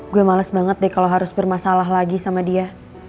gue males banget deh kalau harus bermasalah lagi sama dia